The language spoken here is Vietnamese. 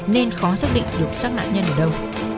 nên khó xác định được xác nạn nhân ở đâu